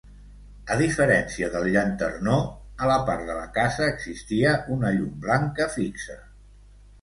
A diferència del llanternó, a la part de la casa existia una llum blanca fixa.